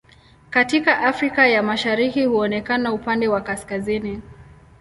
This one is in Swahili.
Katika Afrika ya Mashariki huonekana upande wa kaskazini.